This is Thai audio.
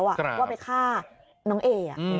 ว่าไปฆ่าน้องเอ